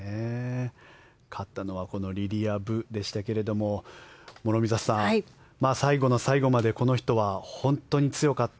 勝ったのはリリア・ブでしたが諸見里さん、最後の最後までこの人は本当に強かった。